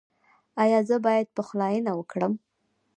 ایا زه باید پخلاینه وکړم؟